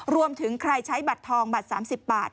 รวมถึงใครใช้บัตรทองบัตร๓๐บาท